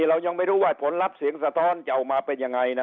เรายังไม่รู้ว่าผลลัพธ์เสียงสะท้อนจะออกมาเป็นยังไงนะ